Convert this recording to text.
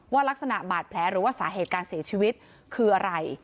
ลักษณะบาดแผลหรือว่าสาเหตุการเสียชีวิตคืออะไร